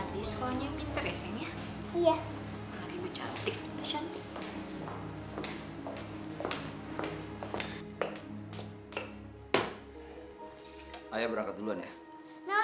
t battlefield ini produksi dalam vrg